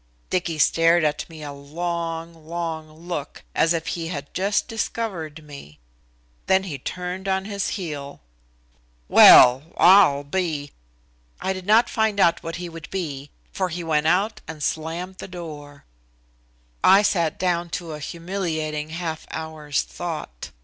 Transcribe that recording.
Dicky stared at me a long, long look as if he had just discovered me. Then he turned on his heel. "Well, I'll be " I did not find out what he would be, for he went out and slammed the door. I sat down to a humiliating half hour's thought.